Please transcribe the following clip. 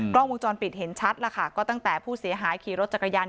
กล้องวงจรปิดเห็นชัดแล้วค่ะก็ตั้งแต่ผู้เสียหายขี่รถจักรยาน